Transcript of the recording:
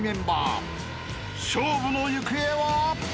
［勝負の行方は？］